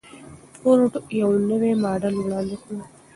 فورډ یو نوی ماډل وړاندې کړ.